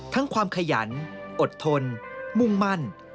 ความขยันอดทนมุ่งมั่น